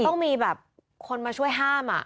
ต้องมีแบบคนมาช่วยห้าม